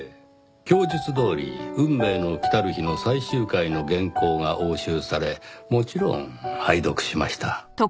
供述どおり『運命の来たる日』の最終回の原稿が押収されもちろん拝読しました。